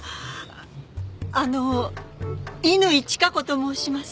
あの乾チカ子と申します。